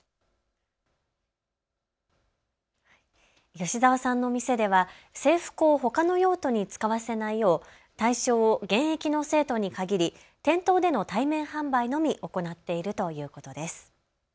吉澤さんの店では制服をほかの用途に使わせないよう対象を現役の生徒に限り店頭での対面販売のみ行っているということです。